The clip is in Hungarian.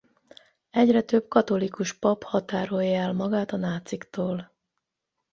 Egyre több katolikus pap határolja el magát a náciktól.